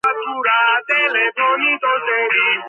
როვნოს რაიონის ადმინისტრაციული ცენტრია ქალაქი როვნო.